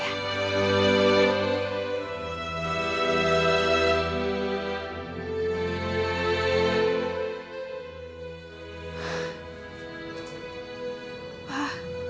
bagaimana ada yang akan saya niinjarin